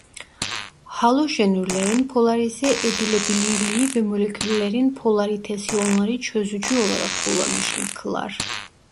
Halojenürlerin polarize edilebilirliği ve moleküllerin polaritesi onları çözücü olarak kullanışlı kılar.